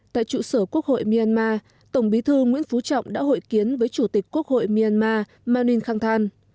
tại trụ sở quốc hội myanmar tổng bí thư nguyễn phú trọng đã hội kiến với chủ tịch quốc hội myanmar maning khang